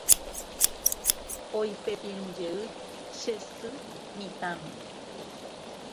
Oipepirũjey che sy mitãme.